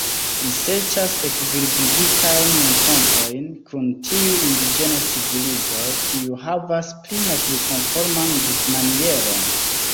Li serĉas ekvilibrigitajn renkontojn kun tiuj indiĝenaj civilizoj, kiuj havas pli naturkonforman vivmanieron.